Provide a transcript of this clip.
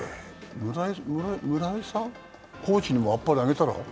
村井さん、コーチにもあっぱれあげたら？